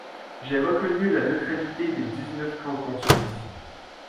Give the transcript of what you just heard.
»J'ai reconnu la neutralité des dix-neuf cantons Suisses.